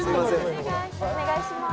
お願いします。